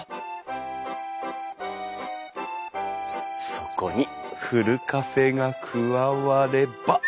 そこにふるカフェが加われば。